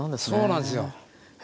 そうなんですよ。